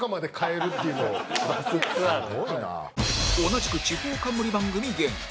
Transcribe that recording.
同じく地方冠番組芸人